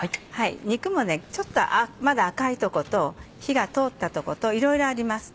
肉もちょっとまだ赤い所と火が通った所といろいろあります。